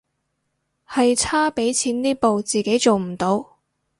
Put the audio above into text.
係差畀錢呢步自己做唔到